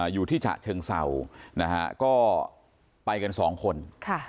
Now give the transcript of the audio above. อยู่ที่ฉะเชิงเศร้านะฮะก็ไปกันสองคน